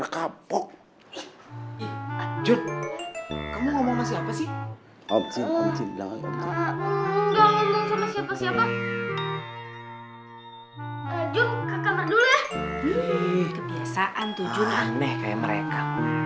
kebiasaan tujuan nih kayak mereka